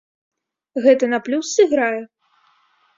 Гэта на плюс сыграе?